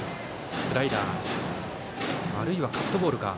スライダーあるいはカットボールか。